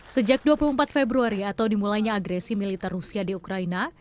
sejak dua puluh empat februari atau dimulainya agresi militer rusia di ukraina